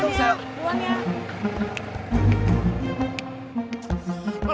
udah aku udah bantem